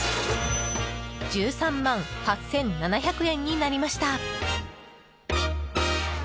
１３万８７００円になりました！